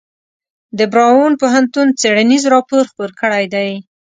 د براون پوهنتون څیړنیز راپور خپور کړی دی.